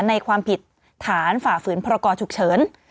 ความผิดฐานฝ่าฝืนพรกรฉุกเฉิน